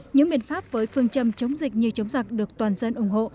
những biện pháp với phương châm chống dịch như chống giặc được toàn dân ủng hộ